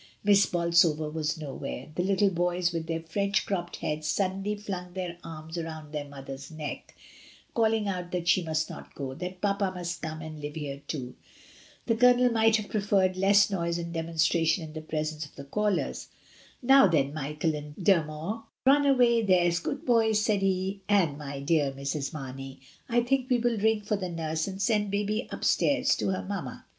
Miss Bolsover was nowhere. The little boys, with their French cropped heads, suddenly flung their arms round their mother's neck, calling out that she must not go — that papa must come and live here too. The Colonel might have preferred less noise and demonstration in the presence of callers. "Now then, Michael and Dermot, run away, there's good boys," said he; "and, my dear Mrs. Marney, I think we will ring for the nurse and send baby upstairs to her mamma.